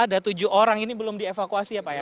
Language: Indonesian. ada tujuh orang ini belum dievakuasi ya pak ya